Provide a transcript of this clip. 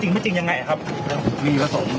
ฮะแล้วมิ้นมิ้นได้ห้ามบ้างมั้ย